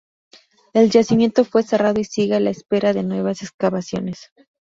El yacimiento fue cerrado y sigue a la espera de nuevas excavaciones.